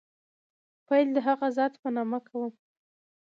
پیل د هغه ذات په نامه کوم.